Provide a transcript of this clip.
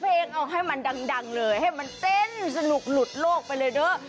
เพลงเอาให้มันดังเลยให้มันเต้นสนุกหลุดโลกไปเลยเด้อ